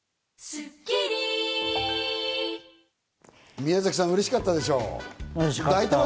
宮崎さん、うれしかったでしょ？